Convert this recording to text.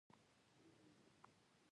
افغانستان به ځلیږي